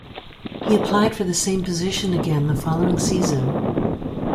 He applied for the same position again the following season.